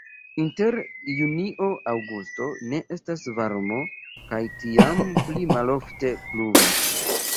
Inter junio-aŭgusto ne estas varmo kaj tiam pli malofte pluvas.